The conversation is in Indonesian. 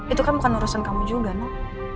itu kan bukan urusan kamu juga nak